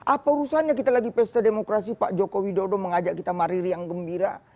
apa urusannya kita lagi pesta demokrasi pak joko widodo mengajak kita mari riang gembira